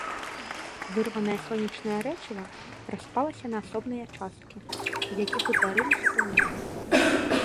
Вырванае сонечнае рэчыва распалася на асобныя часткі, з якіх утварыліся планеты.